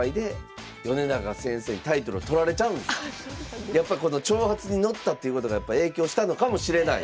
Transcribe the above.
このシリーズやっぱこの挑発に乗ったということが影響したのかもしれない。